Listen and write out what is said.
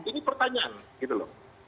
ini pertanyaan gitu loh